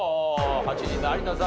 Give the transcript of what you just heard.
８人目有田さん